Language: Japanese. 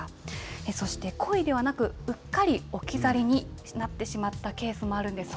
そして故意ではなく、うっかり置き去りになってしまったケースもあるんです。